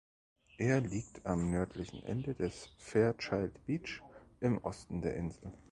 Er liegt am nördlichen Ende des Fairchild Beach im Osten der Insel.